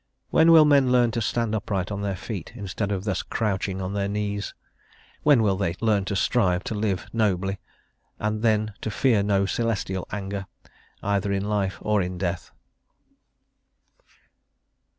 When will men learn to stand upright on their feet, instead of thus crouching on their knees? When will they learn to strive to live nobly, and then to fear no celestial anger, either in life or in death?